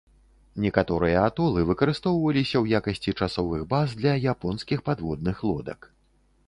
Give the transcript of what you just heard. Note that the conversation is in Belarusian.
Некаторыя атолы выкарыстоўваліся ў якасці часовых баз для японскіх падводных лодак.